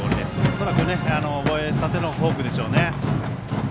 恐らく覚えたてのフォークでしょうね。